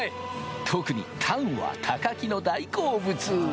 特にタンは高木の大好物。